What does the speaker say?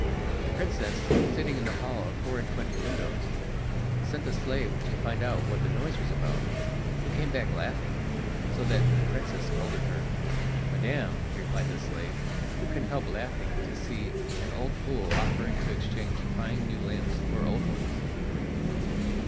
The princess, sitting in the hall of four and twenty windows, sent a slave to find out what the noise was about, who came back laughing, so that the princess scolded her. "Madam," replied the slave, "who can help laughing to see an old fool offering to exchange fine new lamps for old ones?"